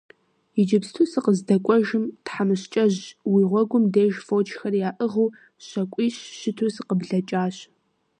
Иджыпсту сыкъыздэкӀуэжым, тхьэмыщкӀэжь, уи гъуэгум деж фочхэр яӀыгъыу щакӀуищ щыту сыкъыблэкӀащ.